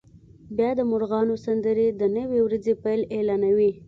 بیا د مرغانو سندرې د نوې ورځې پیل اعلانوي